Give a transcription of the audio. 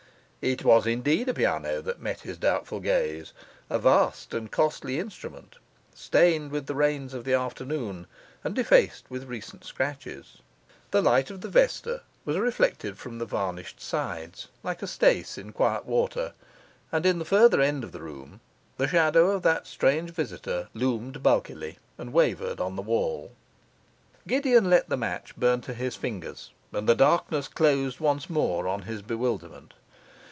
It was indeed a piano that met his doubtful gaze; a vast and costly instrument, stained with the rains of the afternoon and defaced with recent scratches. The light of the vesta was reflected from the varnished sides, like a staice in quiet water; and in the farther end of the room the shadow of that strange visitor loomed bulkily and wavered on the wall. Gideon let the match burn to his fingers, and the darkness closed once more on his bewilderment.